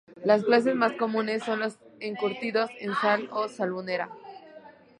Las clases más comunes son los encurtidos en sal o salmuera.